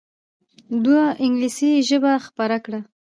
دوی انګلیسي ژبه خپره کړه.